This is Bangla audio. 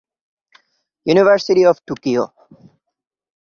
University of Tokyo.